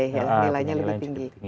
ya punya nilainya lebih tinggi